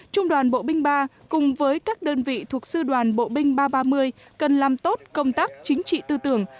trung đoàn bộ binh ba cùng với các đơn vị thuộc sư đoàn bộ binh ba trăm ba mươi cần làm tốt công tác chính trị tư tưởng